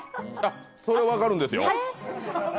それは分かるんですよ。